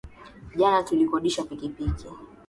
Jana tulikodisha pikipiki